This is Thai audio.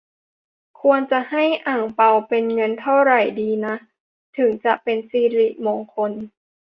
ควรจะให้อั่งเปาเป็นเงินเท่าไรดีนะถึงจะเป็นสิริมงคล